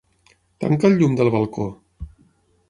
Tanca el llum del balcó.